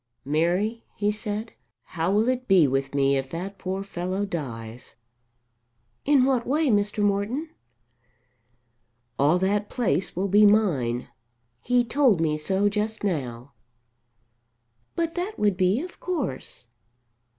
"Mary," he said, "how will it be with me if that poor fellow dies?" "In what way, Mr. Morton?" "All that place will be mine. He told me so just now." "But that would be of course."